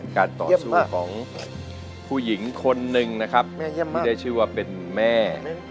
การต่อสู้ของผู้หญิงคนหนึ่งนะครับไม่ได้ชื่อว่าเป็นแม่